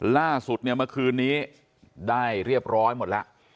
ล่าสุดเนี่ยเมื่อคืนนี้ได้เรียบร้อยหมดแล้ว